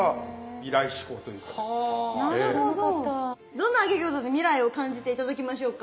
どんな揚げ餃子で未来を感じて頂きましょうか？